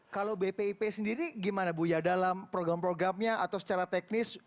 kalau bpip sendiri gimana bu ya dalam program programnya atau secara teknis